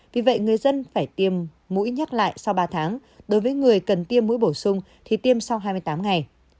vì vậy người dân phải tiêm mũi nhắc lại sau ba tháng đối với người cần tiêm mũi bổ sung thì tiêm sau hai mươi tám ngày